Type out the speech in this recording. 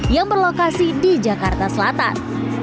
yang berlokasi di jakarta selatan